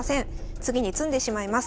次に詰んでしまいます。